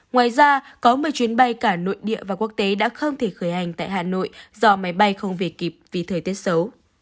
ngoài ra có một mươi chuyến bay cả nội địa và quốc tế đã không thể khởi hành tại hà nội do máy bay không về kịp vì thời tiết xấu